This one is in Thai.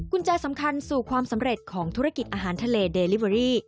แจสำคัญสู่ความสำเร็จของธุรกิจอาหารทะเลเดลิเวอรี่